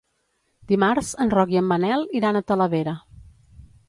Dimarts en Roc i en Manel iran a Talavera.